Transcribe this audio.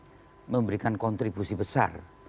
partai ini memberikan kontribusi besar